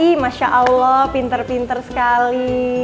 tapi masya allah pinter pinter sekali